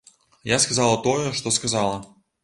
Я сказала тое, што сказала.